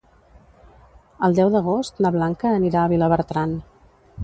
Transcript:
El deu d'agost na Blanca anirà a Vilabertran.